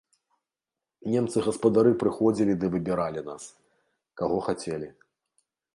Немцы-гаспадары прыходзілі ды выбіралі нас, каго хацелі.